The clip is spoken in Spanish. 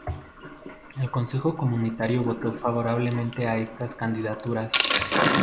El Consejo comunitario votó favorablemente a estas candidaturas.